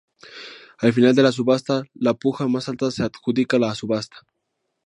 Al final de la subasta, la puja más alta se adjudica la subasta.